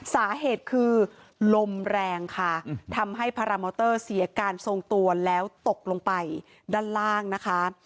สาเหตุคือลมแรงค่ะทำให้พารามอเตอร์เสียการทรงตัวแล้วตกลงไปด้านล่างนะคะ